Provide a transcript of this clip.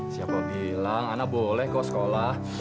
siapa bilang anak boleh kok sekolah